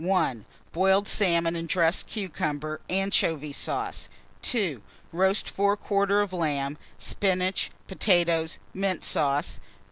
Boiled salmon and dressed cucumber, anchovy sauce 2. Roast fore quarter of lamb, spinach, potatoes, mint sauce.